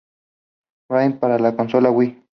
Brawl" para la consola Wii.